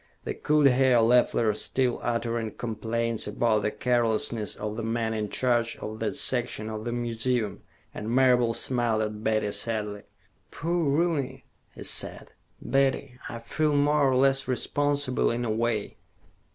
They could hear Leffler still uttering complaints about the carelessness of the men in charge of that section of the museum, and Marable smiled at Betty sadly. "Poor Rooney," he said. "Betty, I feel more or less responsible, in a way."